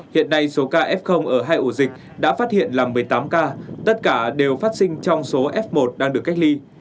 hiện nay số ca f ở hai ổ dịch đã phát hiện là một mươi tám ca tất cả đều phát sinh trong số f một đang được cách ly